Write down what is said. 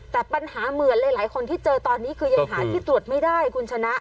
แต่ปัญหาเหมือนหลายคนที่เจอตอนนี้คือยังหาที่ตรวจไม่ได้คุณชนะ